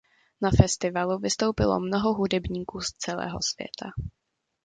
Na festivalu vystoupilo mnoho hudebníků z celého světa.